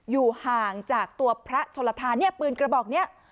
อยู่ห่างจากตัวพระชนลทาเนี่ยปืนกระบอกนี้